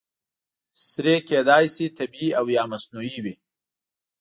سرې کیدای شي طبیعي او یا مصنوعي وي.